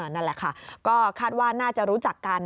นั่นแหละค่ะก็คาดว่าน่าจะรู้จักกัน